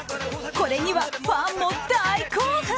これにはファンも大興奮！